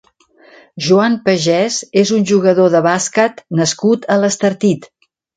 Joan Pagés és un jugador de bàsquet nascut a l'Estartit.